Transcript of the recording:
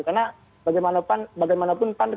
karena bagaimanapun pan